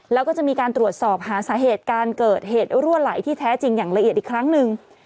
แล้วก็จะมีการตรวจสอบหาสาเหตุการเกิดเหตุรั่วไหลที่แท้จริงอย่างละเอียดอีกครั้งหนึ่ง